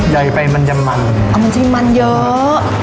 ใหญ่ไปมันจะมันเอาจริงมันเยอะ